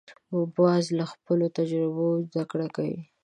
باز له خپلو تجربو زده کړه کوي